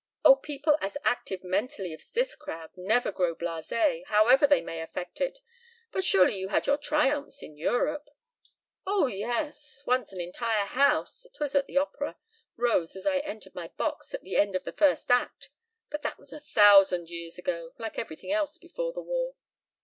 "Oh, people as active mentally as this crowd never grow blasé, however they may affect it. But surely you had your triumphs in Europe." "Oh, yes. Once an entire house it was at the opera rose as I entered my box at the end of the first act. But that was a thousand years ago like everything else before the war."